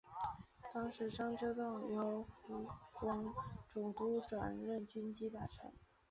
当时张之洞由湖广总督转任军机大臣。